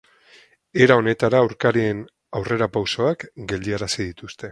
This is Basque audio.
Era honetara aurkarien aurrera pausoak geldiarazi dituzte.